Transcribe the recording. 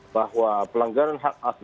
bahwa pelanggaran hak asli